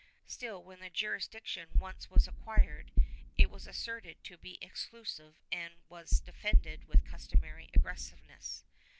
Still, when the jurisdiction once was acquired, it was asserted to be exclusive and was defended with customary aggressiveness.